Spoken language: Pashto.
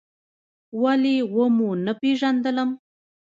ولې و مو نه پېژندم؟